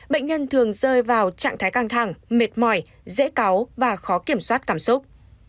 bệnh nhân thường rơi vào trạng thái căng thẳng mệt mỏi dễ có và khó kiểm soát cảm xúc